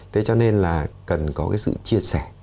thế cho nên là cần có cái sự chia sẻ